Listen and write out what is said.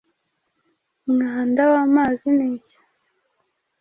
Umwanda w'amazi ni iki?